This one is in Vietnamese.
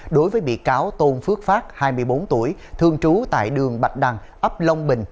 đối với bị cáo tôn phước phát hai mươi bốn tuổi thường trú tại đường bạch đăng ấp long bình